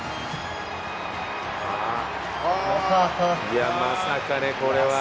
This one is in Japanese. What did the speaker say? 「いやまさかねこれは」